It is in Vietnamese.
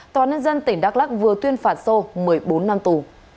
tòa nhân dân tỉnh đắk lắc vừa tuyên phạt sô một mươi bốn năm tù